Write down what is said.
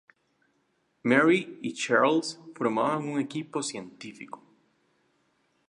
Mary y Charles formaban un equipo científico.